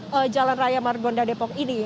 di jalan raya margonda depok ini